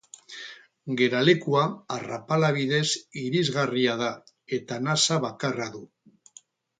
Geralekua arrapala bidez irisgarria da eta nasa bakarra du.